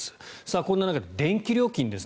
こんな中で電気料金ですね。